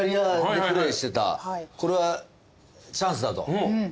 これはチャンスだと。